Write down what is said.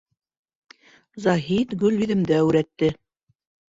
Заһит Гөлйөҙөмдө әүрәтте: